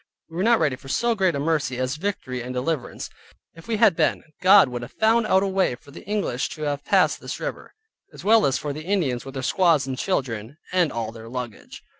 We were not ready for so great a mercy as victory and deliverance. If we had been God would have found out a way for the English to have passed this river, as well as for the Indians with their squaws and children, and all their luggage.